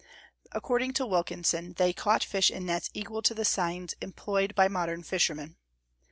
According to Wilkinson, they caught fish in nets equal to the seines employed by modern fishermen.